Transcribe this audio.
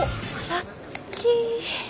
ラッキー！